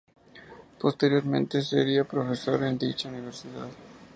Posteriormente sería profesor en dicha universidad.